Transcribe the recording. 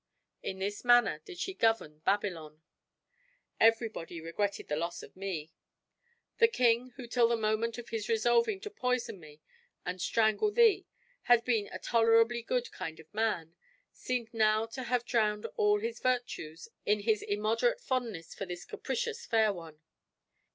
In this manner did she govern Babylon. Everybody regretted the loss of me. The king, who till the moment of his resolving to poison me and strangle thee had been a tolerably good kind of man, seemed now to have drowned all his virtues in his immoderate fondness for this capricious fair one.